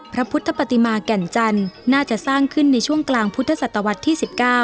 พระพุทธปฏิมาแก่นจันทร์น่าจะสร้างขึ้นในช่วงกลางพุทธศตวรรษที่๑๙